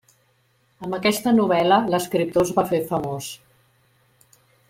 Amb aquesta novel·la, l'escriptor es va fer famós.